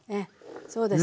そうです。